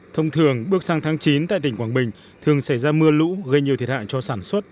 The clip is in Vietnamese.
thông thường bước sang tháng chín tại tỉnh quảng bình thường xảy ra mưa lũ gây nhiều thiệt hại cho sản xuất